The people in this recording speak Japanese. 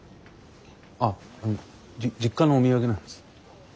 あ実家のお土産なんです。